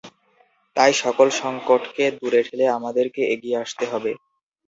তাই সকল সংকটকে দূরে ঠেলে আমাদেরকে এগিয়ে আসতে হবে।